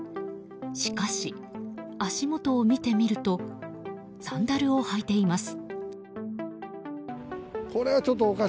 しかし、足元を見てみるとサンダルを履いています。